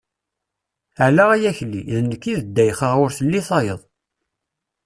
Ala ay Akli, d nekk i d Ddayxa, ur telli tayeḍ.